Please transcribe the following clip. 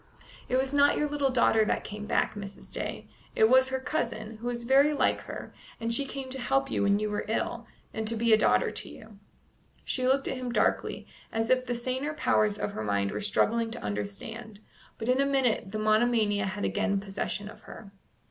"It was not your little daughter that came back, Mrs. Day. It was her cousin, who is very like her, and she came to help you when you were ill, and to be a daughter to you." She looked at him darkly, as if the saner powers of her mind were struggling to understand; but in a minute the monomania had again possession of her.